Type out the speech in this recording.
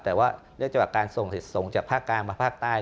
แต่ว่าเรียกจากการส่งส่งจากภาคกลางมาภาคใต้